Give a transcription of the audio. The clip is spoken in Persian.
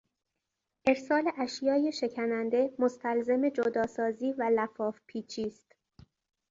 ارسال اشیای شکننده مستلزم جداسازی و لفافپیچی است.